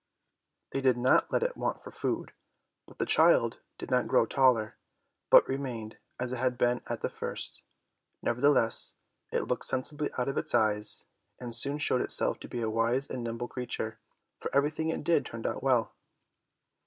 They did not let it want for food, but the child did not grow taller, but remained as it had been at the first, nevertheless it looked sensibly out of its eyes, and soon showed itself to be a wise and nimble creature, for everything it did turned out well.